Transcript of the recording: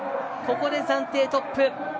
ここで暫定トップ。